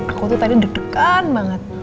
aku tuh tadi deg degan banget